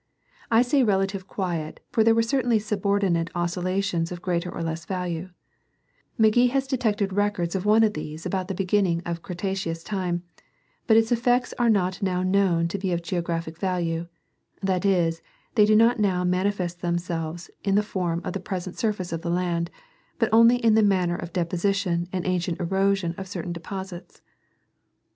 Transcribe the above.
I say relative quiet, for there were certainly subordinate oscillations of greater or less value ; McGee has detected records of one of these about the beginning of Cretaceous time, but its effects are not now known to be of geographic value ; that is, they do not now mani fest themselves in the form of the present surface of the land, but only in the manner of deposition and ancient erosion of cer tain deposits.